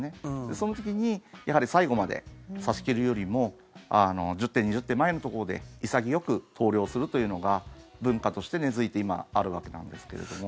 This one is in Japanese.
その時にやはり最後まで指し切るよりも１０手、２０手前のところで潔く投了するというのが文化として根付いて今、あるわけなんですけれども。